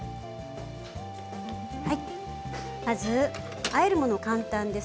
まず、あえる物、簡単です。